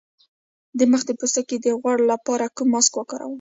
د مخ د پوستکي د غوړ لپاره کوم ماسک وکاروم؟